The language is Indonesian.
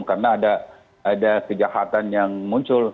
karena ada kejahatan yang muncul